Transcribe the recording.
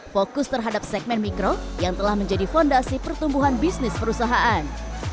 fokus terhadap segmen mikro yang telah menjadi fondasi pertumbuhan bisnis perusahaan